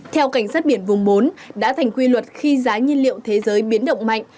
theo cảnh sát biển vùng bốn đã thành quy luật khi giá nhiên liệu thế giới biến động mạnh